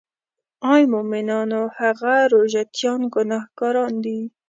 آی مومنانو هغه روژه تیان ګناهګاران دي.